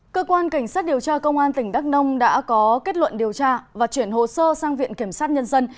cơ quan cảnh sát điều tra công an tỉnh đắk nông đã có kết luận điều tra và chuyển hồ sơ sang viện kiểm sát nhân dân